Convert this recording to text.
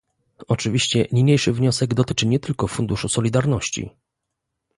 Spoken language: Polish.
Oczywiście niniejszy wniosek dotyczy nie tylko Funduszu Solidarności